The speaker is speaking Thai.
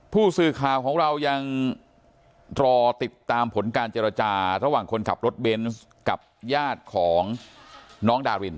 ผู้สื่อข่าวของเรายังรอติดตามผลการเจรจาระหว่างคนขับรถเบนส์กับญาติของน้องดาริน